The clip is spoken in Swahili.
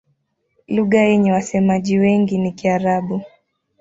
Lugha yenye wasemaji wengi ni Kiarabu.